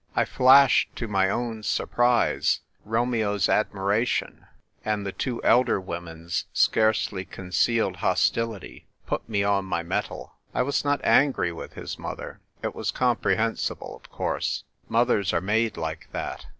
I flashed to my own surprise ; Romeo's admiration, and the two elder N 2 1 88 THE TYPE WRITER GIRL. women's scarcely concealed hostility, put me on my mettle. I was not angry with his mother ; it was comprehensible, of course ; mothers are made like that.